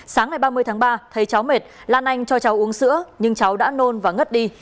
sáng ngày ba mươi tháng ba thấy cháu mệt lan anh cho cháu uống sữa nhưng cháu đã nôn và ngất đi